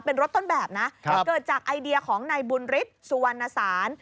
เป็นรถต้นแบบนะเกิดจากไอเดียของนายบุญฤทธิ์สุวรรณสาร